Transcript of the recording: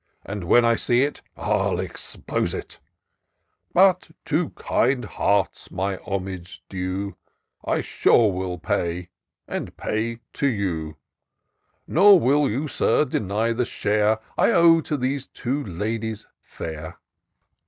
And, when I see it, I'll expose it ; But, to kind hearts my homage due I sure will pay, and pay to you ; Nor will you, Sir, deny the share I owe to these two ladies fair."